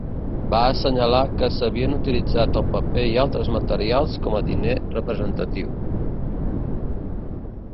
Va assenyalar que s'havien utilitzat el paper i altres materials com a diner representatiu.